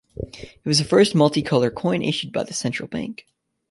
It was the first multi-colour coin issued by the Central Bank.